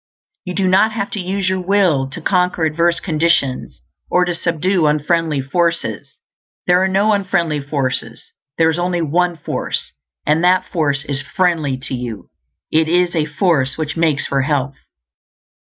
You do not have to use your will to conquer adverse conditions, or to subdue unfriendly forces; there are no unfriendly forces; there is only One Force, and that force is friendly to you; it is a force which makes for health.